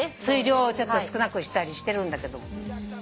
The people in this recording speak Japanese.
水量をちょっと少なくしたりしてるんだけども。